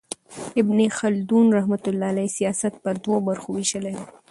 ابن خلدون رحمة الله علیه سیاست پر درو برخو ویشلی دئ.